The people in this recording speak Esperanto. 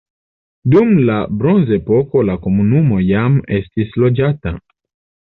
Dum la bronzepoko la komunumo jam estis loĝata.